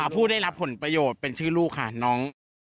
ผู้ได้รับผลประโยชน์เป็นชื่อลูกค่ะน้อง